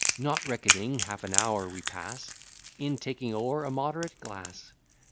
Not reckoning half an hour we pass In talking o'er a moderate glass.